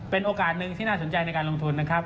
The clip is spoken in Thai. เป็นโอกาสหนึ่งที่น่าสนใจในการลงทุนนะครับ